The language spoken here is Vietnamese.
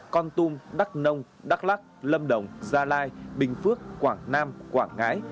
con tum đắk nông đắk lắc lâm đồng gia lai bình phước quảng nam quảng ngãi